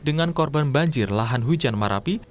dengan korban banjir lahan hujan marapi